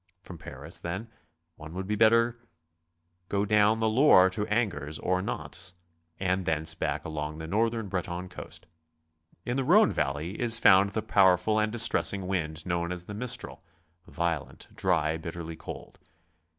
From Paris, then, one would better go down the Loiire to Angers or Nantes, and thence back along the northern Breton coast. In the Rhone valley is found the powerful and distressing wind knowui as the mistral, violent, dry, bitterly cold.